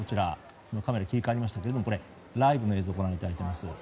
カメラが切り替わりましたがライブの映像をご覧いただいています。